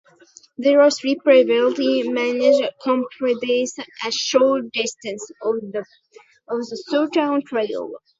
There are three privately managed campgrounds a short distance off the Sauratown Trail.